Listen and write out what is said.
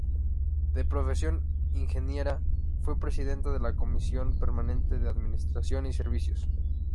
De profesión ingeniera, fue presidenta de la comisión permanente de Administración y Servicios.